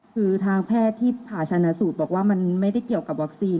คือทางแพทย์ที่ผ่าชนะสูตรบอกว่ามันไม่ได้เกี่ยวกับวัคซีน